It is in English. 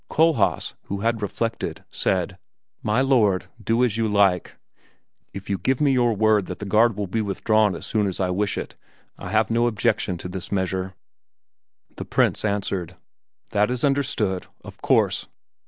Kohlhaas, who had reflected, said "My lord, do as you like! If you will give me your word that the guard will be withdrawn as soon as I wish it, I have no objection to this measure." The Prince answered, "That is understood, of course."